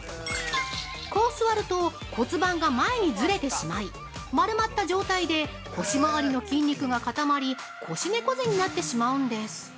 こう座ると骨盤が前にずれてしまい丸まった状態で腰回りの筋肉が固まり腰猫背になってしまうんです。